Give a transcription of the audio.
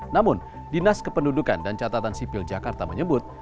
namun dinas kependudukan dan catatan sipil jakarta menyebut